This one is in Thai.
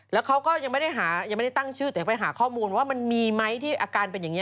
แล้วเขาก็ยังไม่ได้หายังไม่ได้ตั้งชื่อแต่ไปหาข้อมูลว่ามันมีไหมที่อาการเป็นอย่างนี้